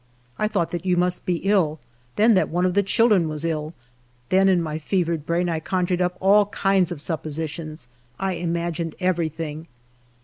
I thought that you must be ill ; then, that one of the children was ill ; then, in my fevered brain, I conjured up all kinds of suppositions, — I imagined everything.